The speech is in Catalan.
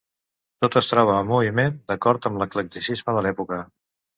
Tots es troba en moviment, d'acord amb l'eclecticisme de l'època.